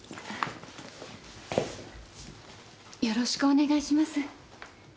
よろしくお願いします。